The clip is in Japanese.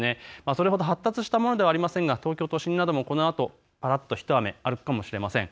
それほど発達したものではありませんが東京都心もこのあとぱらっと一雨あるかもしれません。